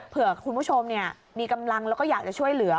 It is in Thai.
เผื่อคุณผู้ชมมีกำลังแล้วก็อยากจะช่วยเหลือ